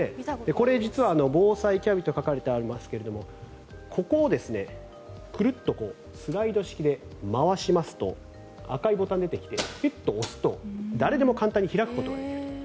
これ、実は防災キャビと書かれてありますがここをクルッとスライド式で回しますと赤いボタンが出てきてピュッと押すと誰でも簡単に開くことができる。